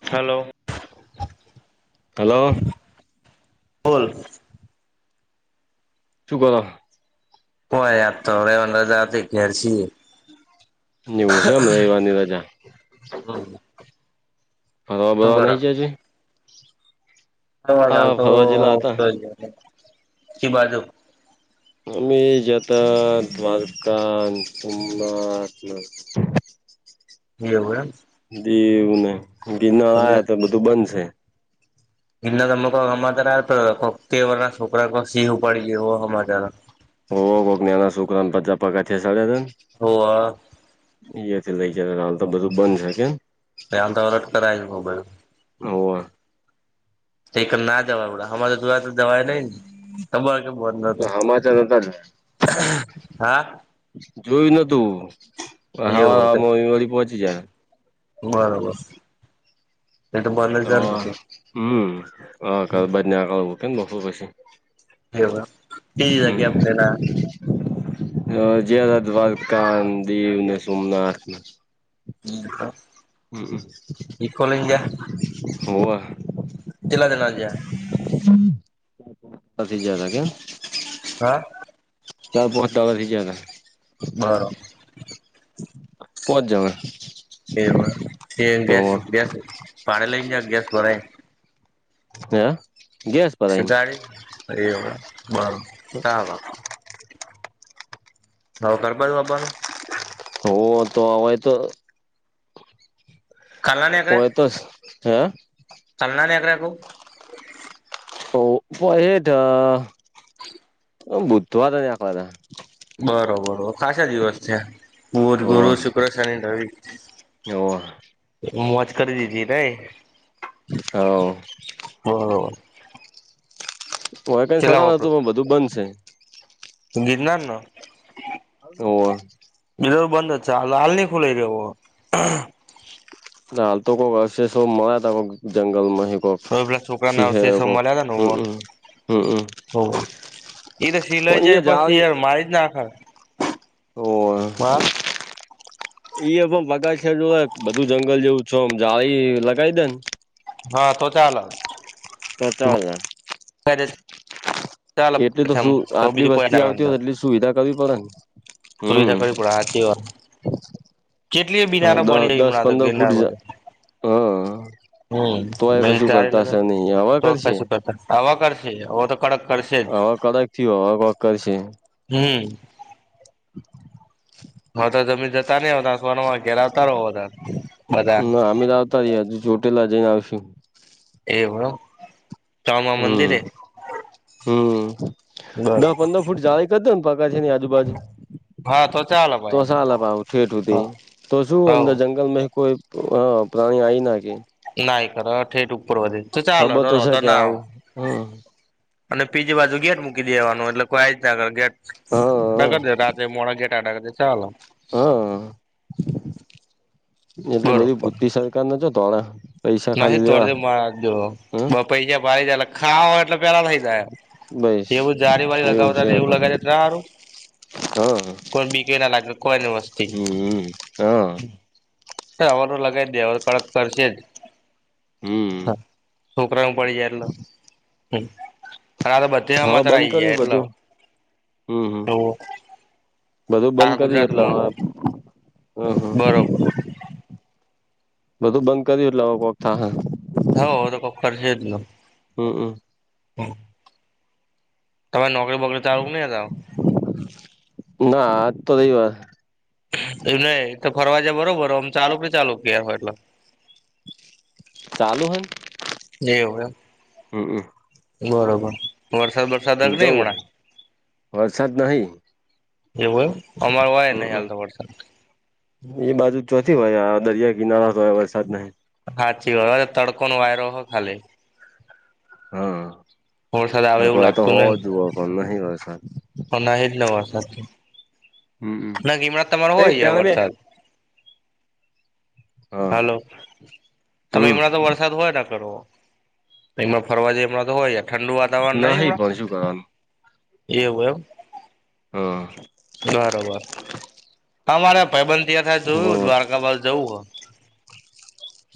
Hello hello બોલ શું કરો? કોઈ યાર તો હવે અરજાથી ઘેર છીએ એવું છે એમ રવીવાર ની રજા હમ ફરવા શું બરવા કરો નહી જ્યા જે હા [unintelligible] ફરવા જેલા હતા હાલ તો એ અમે જ્યાં તા દ્વારકા ન સોમનાથ ન એઉ એમ દીવ ને ગિરનાર તમે આયા તો બધું બનશે એટલે તો અમાર [unintelligible] હમાચર આલતા તા કોક તેર વરહ માં છોકરા કોક સિંહ ઉપાડી જ્યો એવો હમાચાર હોવ કોક નેના સોકરાન બચાવા પગથિયા ચડ્યા તાન હોવ ઇયથી લઈ જ્યાં [unintelligible] હાલ તો બધું બંધ છે કેમ [unintelligible] કરાયુ મોબાઈલ હોવ ઇકન ના જવાય હમા [unintelligible] તો જવાય નહી ને તમાર ચમ [unintelligible] નતો હમાચાર હતા જ. હા જોયું નતું હવાર એવું હવાર માં ઈવળી પહોંચી જ્યા બરોબસ તો હમ્મ હવ ઘર બર નેકળવુ છે ન બપોર પછી એવું એમ તી જગ્યા તેના અ જ્યાં તા દ્વારકા અન દીવ ને સોમનાથ જીમ ખ હઅ હોવે ચેટલા જણા જ્યાં પતિ જ્યા તા કેમ [inaudible] ગયા ચાર પોચ ત હવ રિ જ્યાં તા બરો પોચ જણા એવું એમ તે ગેસ હોવે ગેસ ભાડે લઈન જ્યા ગેસ ભરાય હે ગેસ પર સ આઈને ગાડી ભરી અ [unintelligible] કામ આવ હવ ઘર બાજ આબાનું હોવ તો અવાય તો કાલના નીકળે ઓય તો હે કાલના નીકળે કઉ ઓ એટ [inaudible] હ બુધવાદ ને્દ [inaudible] બરોબર ખાસા દિવસ થ્યાં. બુધ, ગુરુ, હોવે શુક્ર, શનિ, રવિ હોવે મોજ કરી દીધી નઈ? હોવ હ હવે કઈ સાર કેટલા વાપરો નતું પણ બધું બંધ છે? ગિરનાર નું? ઓ બીજ બંધ જ છે, હાલ હાલ નઈ ખુલાઈ રહ્યોવ હાલ તો કોઈક હશે સૌ મળ્યા ત કોઈક જંગલમાંહી કોઈક હવે પેલા છોકરા ના સીહ અવશેષો ક હમમ હમમ હો તો પણ સિલાઈ જાય એ પછી જાળી યાર મારી જ નાખા ઓ! એ એ પણ પગા ખ જો બધું જંગલ જેવું છમ જાળી લગાવી દેને? હા તો ચાલે. પચવાલા [inaudible] ક [inaudible] એટલે તો શું આટલી બીજું કોઈ વસ્તી ના આવતી અંદર હો એટલી સુવિધા કરવી પડે ને. સુવિધા હમ કરવી પડે હાચી હો હ દ બની રહી દસ હમણાં તો પંદર ફૂટ ગિરનાર જ બાજુ હા હમ તો એ પ કશું તારી કરતાશે લગા નહી હવે તો કરશે કશું કરતા આવા કરશે હો તો કડક કરશે જ. હવા કદક થ હવા કર છે. હમ [inaudible] હ તો જમી જતા નહ હો ત સોનોમાં ઘેરાવતા રહો બધા બધા. હજ ચોટેલા જઈને આવશું. એવ [inaudible] હમ હમ બર દસ પંદર ફૂટ જાળી કરતો ને પગ છે આજુ બાજુ હા તો ચાલે તો ભાઈ સા લ ભાવું ઠેઠું હતી તો શું હવ અંદર જંગલ માં કોઈ હા પ્રાણી આ આવીને કે ના કર થઠેટ ઉપર વધે તો ચાલ ખબર છે તો કે ના આવ આવું હમ અને બીજી બાજુ ગેટ મૂકી દેવાનું એટલે કોઈ જ ના કર ગેટ હા નગર રાતે મોડા ગેટ [inaudible] ચાલ હા એટલે બધી પુતી સરકાર ના છો હવે નથી થોડ મા દો હમ બ પૈસા ભરી જલા ખાવ એટલે પેલા થઈ જાય, બસ એવું જારી વાળી લગાવતા એવું લગી દાય તારું. હા કોણ બીકેય ના લાગે કોઈની વસ્તી હમ હા રવાનું લગાવ દે હવાવે કડક કરશે જ. હમ હા છોકરાઓું પડી જાય એટલે હ અને આ તો હા બધેમાત્ર બંધ આવી ગયા કર્યું એટલે બધું હમ હમ બધું બંધ કર્યું એટલે ગુજરાતમાં હવે. હમ હમ બરોબર બધું બંધ કર્યું એટલેખ થા. હ તો ખબ ખર્ચ જ ન હમ્મ હમ્મ હા તમે નોકરી બકરી ચાલું નહી ના આજ તો થઈ વા એ નહી તો ફરવા જ બરોબરમ ચાલુ કે ને ચાલુ કે હોય એટલે ચાલું હમ જેવું એમ બરોબર વરસાદ વરસાદગ નહી જવું હણા. વરસાદ નહી એવુંય અમારું હોય નહી હમ હાલતા પડતા એ બાજુ ચોથી હોય દરિયા કિનારા તો વરસાદ ન સાાચી વા તડકો નો વાયરો હો ખાલી વરસાદ આવે હા એવું કોઈ તો લાગતું હોવ જ જોુ પણ નહી હો સા પણહી જ નવા સાથે હમ ના ગીમણા તમારો કઈ હોય છે, ભેણ બે વરસાદ હા હાલો તમે હમ એમણા તો વરસાદ હોય ના કરો એમ ફરવા જાય એમણા તો હોય ઠંડુ વા વાર ન નહી હમણાં પણ શું કરવાનું એવું એમ હ બરોબર અમારે પૈબ તિયા થાય જોયું હમ દ્વારકા બાદ જવું હો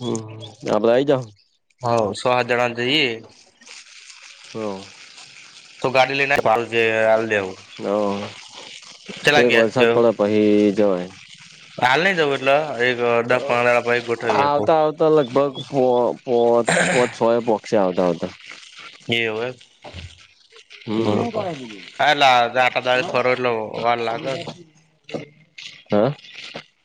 હમ આપ બધઈ જા. હ સ જણા જે. હા. તો ગાડી લઈ નેવ હ એક ગેસ છે વરસાદ પડે પછી જવાય. હાલ નહી જબર આવતા આવતા લગભગ પો પોચ પો છો. ય પો પ આવતા આવા એવવે બરોબર કાલા દાટા દાળ ફરવલો વાર લાગલ હા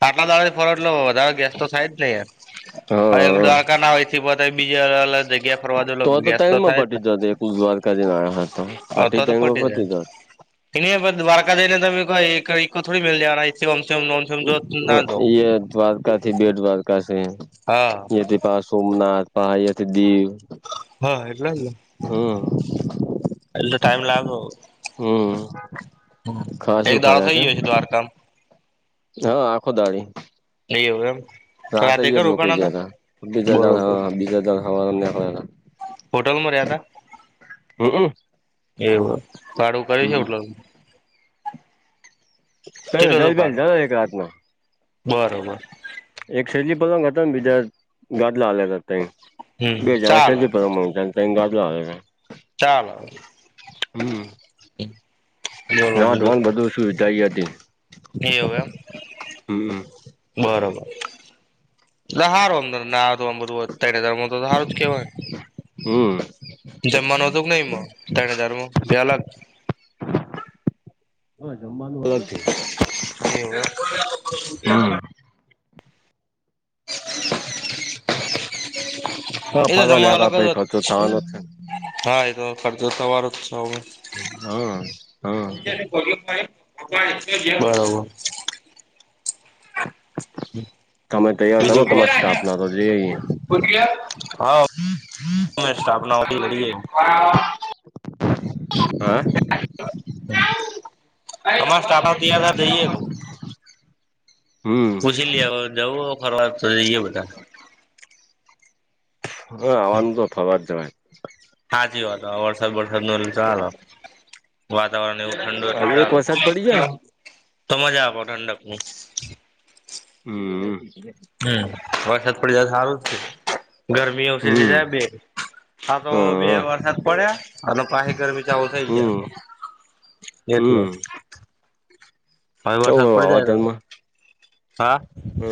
આટલા દાથી ફોરટલો ગેસ તો થાય જ નહી પણ હા દ્વારકા ના હોયથી પોતે બીજી અલગ અલગ જગ્યા. ફરવા દો તો તો ગેસ તણ માં થાય ને પટી જ એક દ્વારકાજી ના હતો આ તણ માં પટી જત ઠ પણ દ્વારકા દને તો એક થોડી મી જવા કમમ નોમ જો ના જો દ્વારકાથી બે દ્વારકા છે, હા થી. પા સોમનાથ પહડીયાથી દીવ હા એટલે એટલે હમ્મ ટાઈમ લાગે હમ ખ એક શું દાડો ફરા થઈ કેમ ગયો છે દ્વારકામાં હા, આખો દાડી સહી હોવેયમ. રાતે ય રોકી જયા ત બજા હ બરોબર બીજા દાક. હતા [unintelligible] હોટલમાં રહ્યા હતા હમ ત એવ કાળું કર્યું છે હોટલ. [unintelligible] ચ કેટલું હતું જબ જ ભાડું એક રાત ના. [unintelligible] બરોબર. એક સેરજી પલંગ હતા ને, બીજા ગાદલા આ હતા ત, બે હમ જા ચાલે સે પલંગ. રંગાદલા આવે. ચાલો. હમ, બોલો ના તોને બધું સુુંવધાય હતી. હોવે. હમ બરોબર. સારું ના તો આમ બધું અ હ. તોરું જ કેવાય. હમ જમા નોતું કે નહી, મ ત્રણ હજારમાં બે અ. લગ [unintelligible] હા, જમવાનું અલગ છે. એ હ. હ, એ તો ફજાને જમવા આ અલગ આપ પ જ ખચો તનો છે. [unintelligible] હા, એ તો કરજો, તોવારો જ છમે. હમ, હમ. [unintelligible] તમે તૈયાર કરો, બીજું કો તમારી સ્ટાફ ના તો જોઈએ. હા, સ્થાપનાતી. હા તમારે સ્ટાા તર હજાર જઈે તું [unintelligible] હમ. પછી લી જવું, ફરવા તો જઈએ બધા. હા, આનંદ થવાર જાય. હા, જે વાત વરસાદ વરસાદ નો. ધ. [unintelligible] વાતાવરણ એવું ઠંડુ એટલે એક સારું વરસાદ પડી જાય ને તો મજા આપો ઠંડક નું. હમ. હમ, વરસાદ પડી જાય સારું છે, ગરમી ઓછી થઈ હમ જાય બે. આ તો બે હા વરસાદ પડ્યા, અને પાછી ગરમી ચાલુ થઇ ગયા તો. હમ હમ એકલેખ. હવે ચવું વરસાદ પડી જાય, ત વાવાતરમાં હા. હ,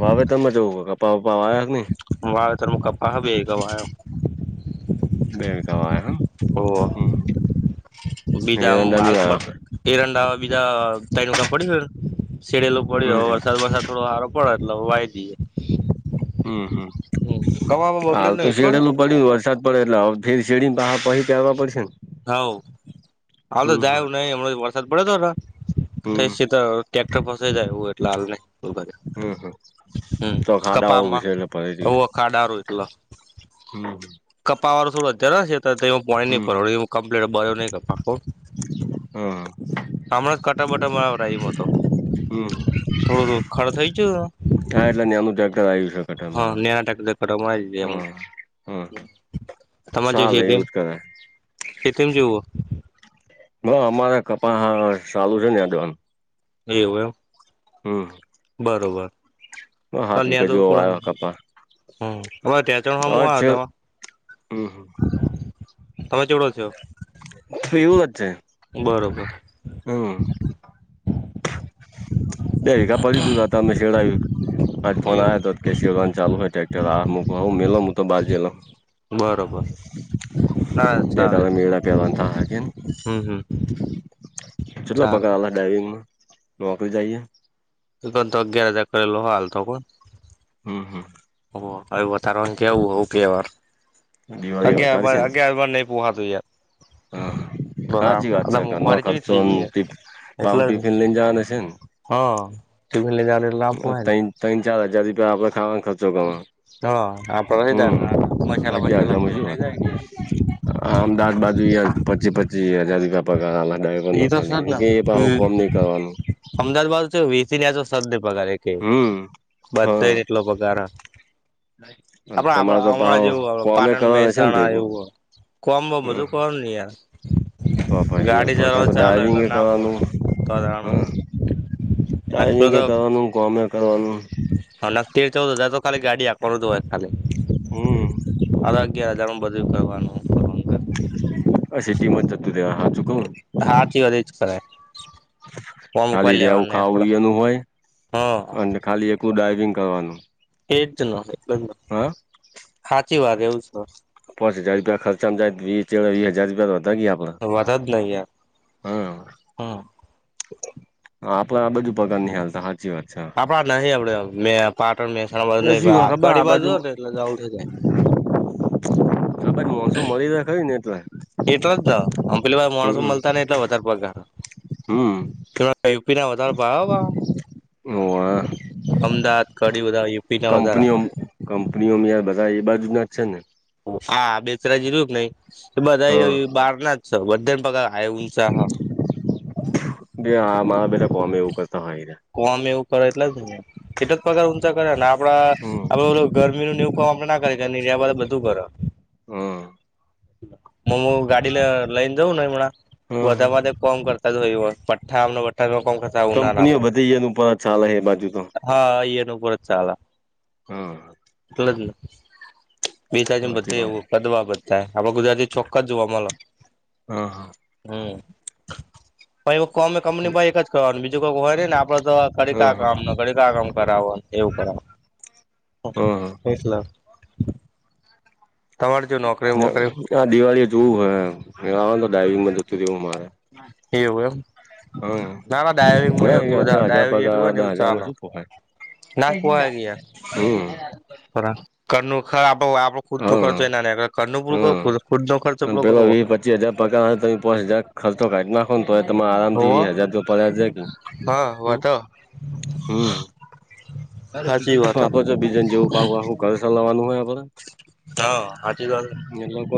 વાવે તમે જવું કપા વપા આવ્યા નઈ [unintelligible] વા ત મ કપા બેે વા [unintelligible] બે કવા હ હમ [unintelligible] બીજામ આલપ [unintelligible] એરંડા બીજાનકા પડીને, સેડેલો હમ પડ્યું, હમ વરસાદ વરસાદ થોડો આરો. પડત વાય દ [unintelligible] હમ, હમ, કવામાં બગડ્યું હાલ તો નહી કોણ શેડે. પડ્યું, વરસાદ પડે, એટલે ફેર શેડી બહાર પ આવવા પડશે ને. હા, હ, તો હમ હમ જાયું નહી, એમણા વરસાદ પડે, તોરા હમ શી તો ટ્રેક્ટર પાસે જાયવું, એટલે હાલ નહી. હમ હમ, તો ખાડાઓ કપામાં વિશે એટલે પડે જઈશ આવું, અખા દારું એટલે. હમ. કપાવાળું થોડો જરા છે પો હમ નહી કમ્પ્લેટ બર્યો નહી કપા. હા. હમણાં કટા બટા એમ તો, હમ થોડું ખર થઈ ગયું. હા એટલે નેનું જગર આવી શકેટરો, હા નેના ટેક્ટર કટા મરાવી દીધી એમાં હમ હમ હ. ચાલે એવું જ કરે. ચીટમ જોવો? હ અમારા કપા ચાલુ છે ને આ દવાન. એવું એવ. હમ. બરોબર. હાત વીઘા કન્યાદ હ, જેવો વાયો કપા હવે ત ચણ હવે છે હતા. હમ હમ. તમે કેવો છો? તવું લ છે. બરોબર. હા. બે વિકા પડી દું ત હતા અમે શડાવ્યું, પાંચ ફોન એવું આવ્યા તો. કેસીઓગંધ ચાલુ હોય ટ્રેક્ટર આું કું મ મુ તોતો બાજેલ. બરોબર ના બે ત ચાલે મેળ પેલા થ કે? હમ હમ. કેટલો ચાલે પગારલા ડાઈવિંગ માં? નોકરી જઈએ. તો અગિયાર હજાર કરેલો હાલ તો કોણ. હમ હમ. ઓ હવે વધારે કેવું હોવ કે વાર, દિવાળી વધારે છે ને અગ અગ ન ગુહાજો ત હા હા થી વા છેા મોંઘવારી નખ જેવી થઈ ગઈ ટ યાર બાહુ એટલે જ ટફ લ જને છે. હા. ટી લનેા ત ત્ર ચાર હજાર રૂપિયા આપડે ખાવાનો ખર્ચો કરવા. હા આપડે થઈ હમ, જાય મસાલા અગાર બસાલા ગામે શું આપડે થઈ હતું. જાય ને હ અમદાવાદ બાજુ પચી પચી હજાર રપપ લગાવ. યાર એ ર તો ખાલી સદ કે બું કોમ નહી કરવાનું. અમદાદવા બાદ તો વસી તો સદ પગાર કે, હમ હા બધાને એટલો પગાર. અને તમારે તો આપણા હમણાં પાહુ જેવું કોમે પાટણ કરવાના છે ને મહેસાણા ભેગું એવું હો. કોમ બ હમ બધું કર ન યાર. તો હયા ગાડી તો ક ચલાવ તો ચાલે ડાઈવિંગ એટલે ના કરવાનું, પોહાય હમ. ડાયજિંગ એ કરવાનું કોમે કરવાનું. હ ના તેર ચૌદ હજાર તો ખાલી ગાડી આ કર દ હોય ખાલી. હમ. અરે અગિયાર હજારમાં બધું કરવાનું. કરવાનું અી ટી મ તુંધ હા ચુકમ. હાચી વાત એજ કરે. ખાલી રેવું ખું એનું હોય, હા અને ખાલી એકું ડાઈવિંગ કરવાનું. એટ જ ન બ. હા. સાાચી વાત એવું છે. પાંચ હજાર રૂપિયા ખર્ચા જાય વી હજાર રૂપિયા તો વધ ગયા આપ વધ જ નહીં યાર હમ. હા આપડે આ બધું પગાર ની હાલતા સાચી વાત. છે આપડા નહ આપડે મે પાટણ મસાણા ન કડી બાજ જો ને એટલે જવું થઈ જાય. છ મોસમ મરી રહ્યાખય ને એટલે. એટલા જ જા અમ પેલી ભ માણસો હમ મળતા ને એટ વધારે પગાર. હમ. તારા ટેઈપીનાના વધારે ભાવે. અમદાવાદ કડી બધારીએ. કંપનીઓ કંપનીઓમાં યાર બધા એ બાજુ ના જ છે ને હા બેસરાજી રહ્યું જ નહી બધા હા બહાર ના જ છ બધાને પગા બે આ મારા પેલાા કોમે એવું કરતા હોય. કોમ એવું કરે એટલે જ એટલા જ પગાર રમ ઊંચા કરે ને આપડા હમ આપડે એવું. ગરમી નવું કમ આપણે ના કરીધ. તું હમ કરું ગાડી લ લઈને જઉ નહીણા. હમ હમ બધામાં કોમ કરતા હોય પઠા આ ભઠ્ કોમ કરતા. ઉનાળા કંપનીઓ વધી ગયા એ ન પણ ચાલ હ એ બાજુ તો. હા એ એન ઉપર જ ચાાલ હા એટલ જ નહી. બે થાય ને સાચી બધે વાત એવું કદવા બધાાય આપડે ગુજરાતી ચોખક્ક જ જોવા મળે હા હા. હમ અમે કંપની ભાઈ એક જ કરવાનું બીજું કોઈ હોય ને ને આપડે તો. કડી હા કા હા કામ ન કડી કા કામ કરાવવ એવું હા કર એટલે. તમાળ નોક. આ દિવાળી એ જોવું હ આ તો ડાઈવિંગ બંધતુંવું મારે. એવું એમ. હા ના ના ડાવિંગ મુ એકલું જ દસ હજાર ડાવિંગ એકલું હોય પગાર ને એવું દસ હજારમાં ચલે. શું પોહાય ના કવા ગ હમ થરા ઘરનું આપડો ખુદ નો ખર્ચો હા એ ના ઘરનું પું કરું ખુદ નો ખર્ચો પડો કરવો. પચસ હજાર પકા તોમે પ પાચ હજ ખર્ચો કા ના. ફન તો તમારે આરામ હોવ થી હજાર તો પડ્યા જાય કે હા વાતો હમ. સાચી વાત બીજને જેવું પા હું ઘર લવાનું હોય આપ હા હાચી વાત.